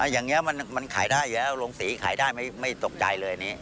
อย่างนี้มันขายได้อยู่แล้วโรงสีขายได้ไม่ตกใจเลยอันนี้